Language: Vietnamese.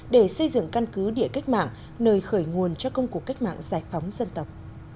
để xây dựng căn cứ địa cách mạng nơi khởi nguồn cho công cuộc cách mạng giải phóng dân tộc